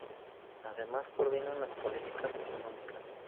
Además, coordinan las políticas económicas.